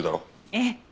ええ。